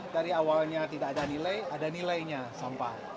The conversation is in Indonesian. dari awalnya tidak ada nilai ada nilainya sampah